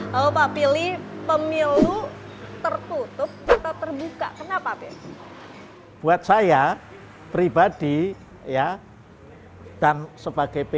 halo pak pilih pemilu tertutup atau terbuka kenapa buat saya pribadi ya dan sebagai p tiga